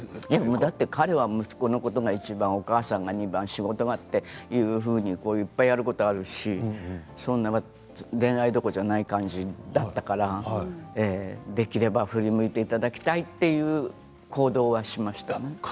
だって彼は息子さんのことが１番、お母さんが２番仕事があっていろいろやることがあるしそんな恋愛っていう感じではなかったしできれば振り向いていただきたいという行動はしました。